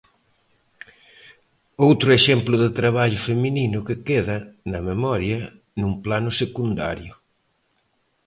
Outro exemplo de traballo feminino que queda, na memoria, nun plano secundario.